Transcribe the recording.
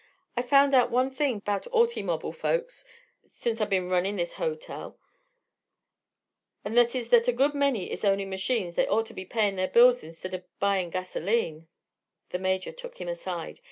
I've found out one thing 'bout autymobble folks sense I've ben runnin' this hoe tel, an' thet is thet a good many is ownin' machines thet oughter be payin' their bills instid o' buyin' gasoline." The Major took him aside.